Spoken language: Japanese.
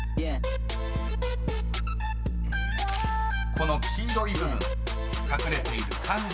［この黄色い部分隠れている漢字